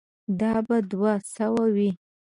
دا به دوه سوه وي.